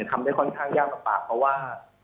ทำได้ค่อนข้างยากลำบากเพราะว่า